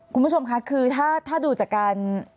คุณผู้ชมค่ะคือถ้าดูจากการ